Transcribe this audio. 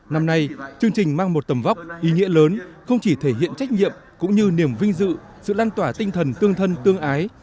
năm nay chương trình mang một tầm vóc ý nghĩa lớn không chỉ thể hiện trách nhiệm cũng như niềm vinh dự sự lan tỏa tinh thần tương thân tương ái